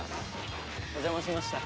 お邪魔しました。